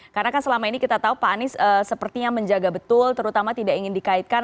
karena kan selama ini kita tahu pak anies sepertinya menjaga betul terutama tidak ingin dikaitkan